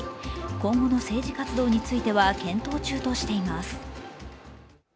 今後の政治活動については検討中としています。